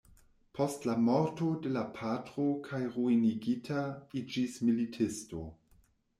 Post la morto de la patro kaj ruinigita, iĝis militisto.